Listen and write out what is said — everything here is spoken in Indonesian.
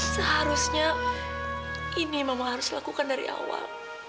seharusnya ini mama harus lakukan dari awal